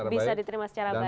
bisa diterima secara baik